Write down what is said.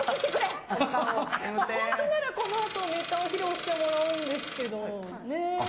本当なら、このあとネタを披露してもらうんですけど。